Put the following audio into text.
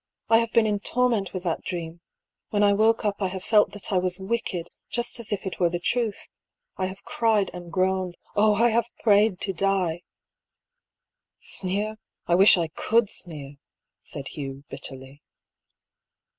I have been in torment with that dream ; when I woke up I have felt that I was wicked, just as if it were the truth. I have cried and groaned. Oh ! I have prayed to die I " "Sneer? I wish I could sneer!" said Hugh, bit terly.